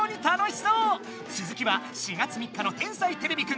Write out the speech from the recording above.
つづきは４月３日の「天才てれびくん」で。